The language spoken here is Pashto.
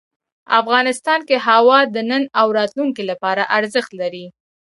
افغانستان کې هوا د نن او راتلونکي لپاره ارزښت لري.